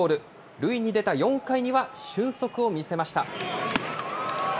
塁に出た４回には俊足を見せました。